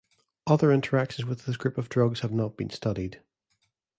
Other interactions with this group of drugs have not been studied.